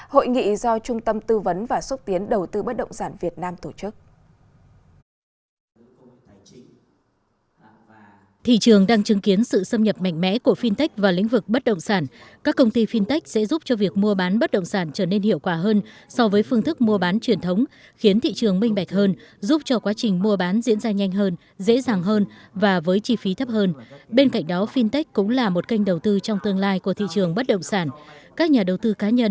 hội nghị do trung tâm tư vấn và xuất tiến đầu tư bất động sản việt nam tổ chức